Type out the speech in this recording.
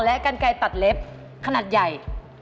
และกันไกลตัดเล็บขนาดใหญ่